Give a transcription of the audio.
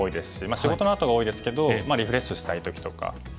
まあ仕事のあとが多いですけどリフレッシュしたい時とか。